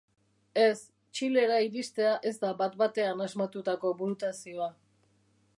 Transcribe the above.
Ez, Txilera iristea ez da bat-batean asmatutako burutazioa.